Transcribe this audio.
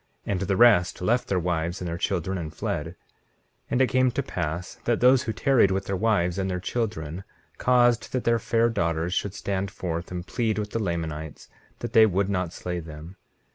And the rest left their wives and their children and fled. 19:13 And it came to pass that those who tarried with their wives and their children caused that their fair daughters should stand forth and plead with the Lamanites that they would not slay them.